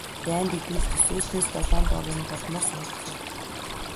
Дайн дэгдвэл төсөөлснөөс долоон доор юм болмоор санагдах юм.